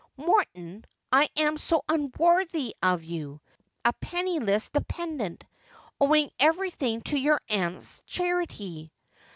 ' Morton, I am so unworthy of you — a penniless dependent, owing everything to your aunt's charity.